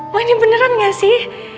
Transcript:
wah ini beneran gak sih